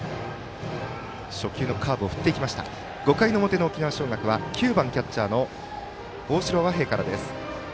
５回の表は９番キャッチャーの大城和平からです。